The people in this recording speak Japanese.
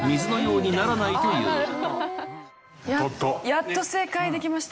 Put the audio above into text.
やっと正解できました。